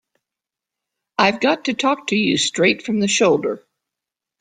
I've got to talk to you straight from the shoulder.